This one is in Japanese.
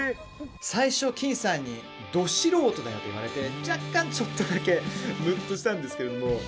最初、金さんにド素人だよと言われて若干ちょっとだけむっとしたんですけれども。